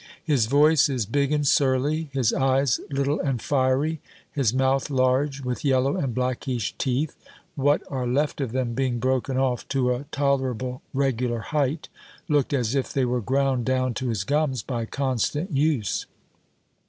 His voice is big and surly; his eyes little and fiery; his mouth large, with yellow and blackish teeth, what are left of them being broken off to a tolerable regular height, looked as if they were ground down to his gums, by constant use.